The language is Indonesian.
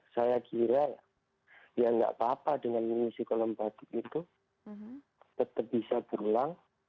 saya kira ya tidak apa apa dengan mengisi kolam batuk itu tetap bisa pulang